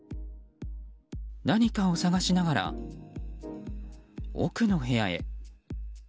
何かを探しながら奥の部屋へ。